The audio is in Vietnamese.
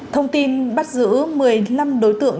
thông tin bắt giữ một mươi năm đối tượng